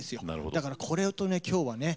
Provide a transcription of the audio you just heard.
だからこれとね今日はね